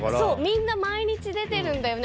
みんな毎日出てるんだよね？